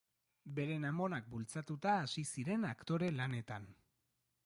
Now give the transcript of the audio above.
Beren amonak bultzatuta hasi ziren aktore lanetan.